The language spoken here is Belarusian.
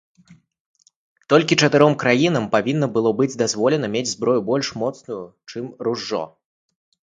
Толькі чатыром краінам павінна было быць дазволена мець зброю больш моцную, чым ружжо.